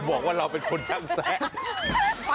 ทำไมครับ